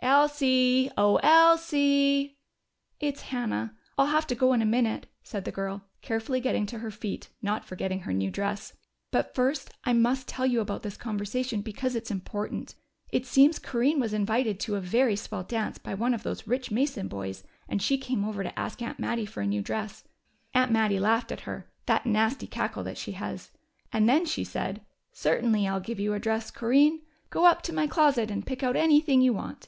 "Elsie! Oh, Elsie!" "It's Hannah. I'll have to go in a minute," said the girl, carefully getting to her feet, not forgetting her new dress. "But first I must tell you about this conversation, because it's important. It seems Corinne was invited to a very swell dance by one of those rich Mason boys, and she came over to ask Aunt Mattie for a new dress. Aunt Mattie laughed at her that nasty cackle that she has. And then she said, 'Certainly I'll give you a dress, Corinne. Go up to my closet and pick out anything you want.